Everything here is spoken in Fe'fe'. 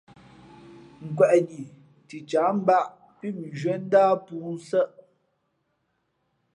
Kweꞌnǐ cicǎh mbāꞌ pí mʉnzhwíé ndáh pōō nsάʼ.